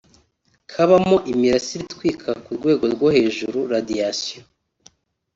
Kabamo imirasire itwika ku rwego rwo hejuru (radiations)